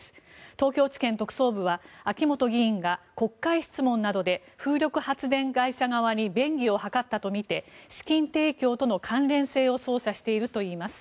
東京地検特捜部は秋本議員が国会質問などで風力発電会社側に便宜を図ったとみて資金提供との関連性を捜査しているといいます。